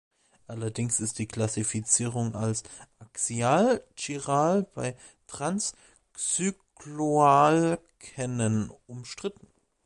Allerdings ist die Klassifizierung als axial-chiral bei "trans"-Cycloalkenen umstritten.